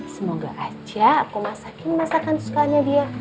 semoga aja aku masakin masakan sukanya dia